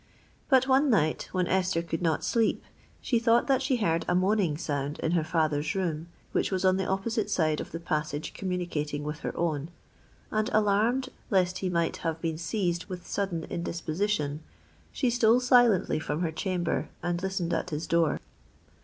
But one night, when Esther could not sleep, she thought that she heard a moaning sound in her father's room, which was on the opposite side of the passage communicating with her own; and, alarmed lest he might have been seized with sudden indisposition, she stole silently from her chamber and listened at his door.